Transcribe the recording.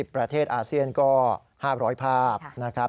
ประเทศอาเซียนก็๕๐๐ภาพนะครับ